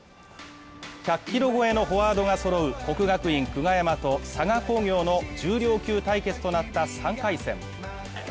１００ｋｇ超えのフォワードがそろう国学院久我山と佐賀工業の重量級対決となった３回戦。